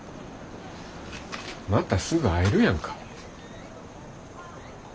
またすぐ会えるやんか。